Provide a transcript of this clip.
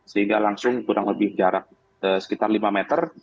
sehingga langsung kurang lebih jarak sekitar lima meter